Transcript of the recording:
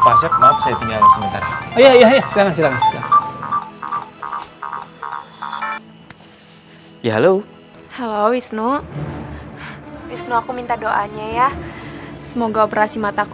pak asep maaf saya tinggal sebentar ya halo halo wisnu aku minta doanya ya semoga operasi mataku